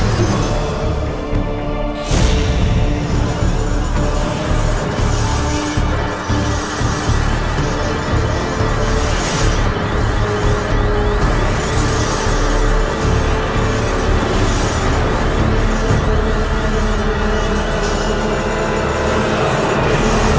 dimas duduklah disitu